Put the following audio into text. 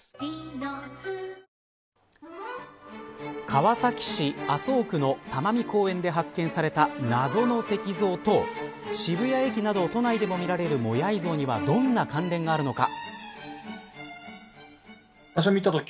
川崎市麻生区の多摩美公園で発見された謎の石像と渋谷駅など都内でも見られるモヤイ像にはどんな関連があるのか。